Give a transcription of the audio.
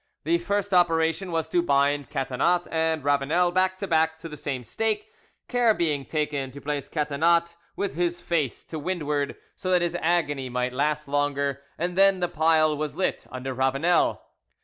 The first operation was to bind Catinat and Ravanel back to back to the same stake, care being taken to place Catinat with his face to windward, so that his agony might last longer, and then the pile was lit under Ravanel.